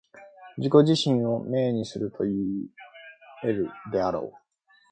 自己自身を明にするといい得るであろう。